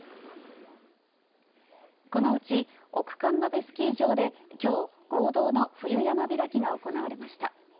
このうち奥神鍋スキー場できょう、合同の冬山開きが行われました。